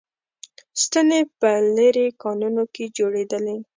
ستنې په لېرې کانونو کې جوړېدلې